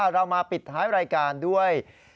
เรามาปิดท้ายรายการด้วย